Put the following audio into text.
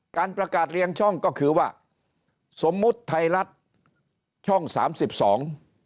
การประกาศเรียงช่องก็คือว่าสมมุติไทยรัฐช่อง๓๒